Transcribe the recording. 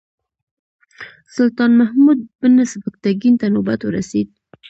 سلطان محمود بن سبکتګین ته نوبت ورسېد.